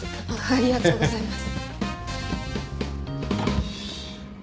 ありがとうございます。